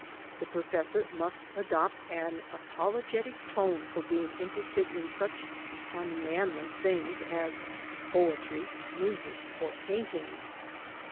The professor must adopt an apologetic tone for being interested in such unmanly things as poetry, music, or painting.